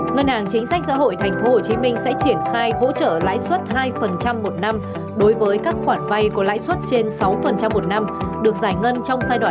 ngân hàng chính sách xã hội tp hcm sẽ triển khai hỗ trợ lãi suất hai một năm đối với các khoản vay có lãi suất trên sáu một năm được giải ngân trong giai đoạn hai nghìn hai mươi hai hai nghìn hai mươi ba